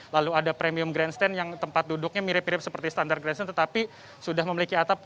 lalu ada premium grandstand yang tempat duduknya mirip mirip seperti standar grandstand tetapi sudah memiliki atap